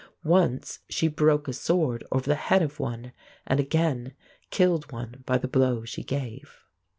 Once she broke a sword over the head of one, and again killed one by the blow she gave.